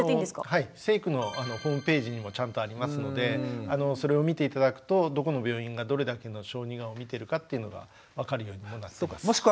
成育のホームページにもちゃんとありますのでそれを見て頂くとどこの病院がどれだけの小児がんをみてるかっていうのが分かるようにもなってます。